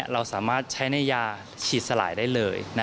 เราสามารถใช้ในยาฉีดสลายได้เลย